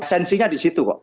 eksensinya di situ kok